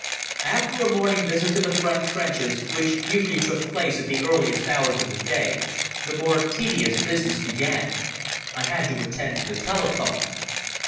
After a morning visit to the front trenches, which usually took place at the earliest hours of the day, the more tedious business began. I had to attend to the telephone.